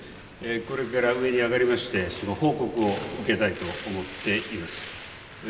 これから上に上がりまして、その報告を受けたいと思っています。